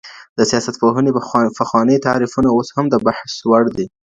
د سياستپوهني پخواني تعريفونه اوس هم د بحث وړ دي.